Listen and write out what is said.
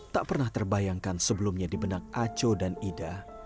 tak pernah terbayangkan sebelumnya di benak aco dan ida